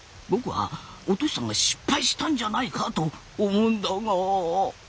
僕はお敏さんが失敗したんじゃないかと思うんだが。